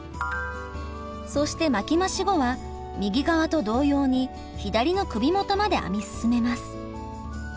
そして巻き増し後は右側と同様に左の首元まで編み進めます。